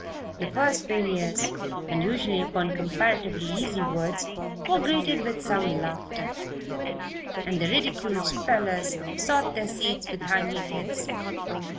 The first failures (and usually upon comparatively easy words) were greeted with some laughter, and the ridiculed spellers sought their seats with hanging heads.